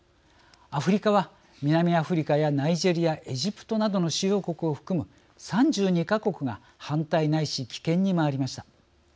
アフリカは南アフリカやナイジェリアエジプトなどの主要国を含む３２か国が反対ないし棄権に回りました。